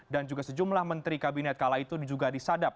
dan juga sejumlah menteri kabinet kala itu juga disadap